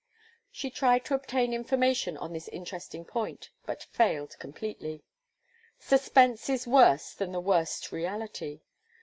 She tried to obtain information on this interesting point, but failed completely. Suspense is worse than the worst reality.